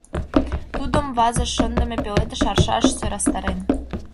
Тудым вазыш шындыме пеледыш аршаш сӧрастарен.